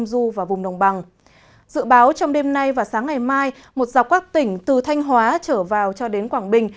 dự báo trong đêm nay và sáng ngày mai một dọc các tỉnh từ thanh hóa trở vào cho đến quảng bình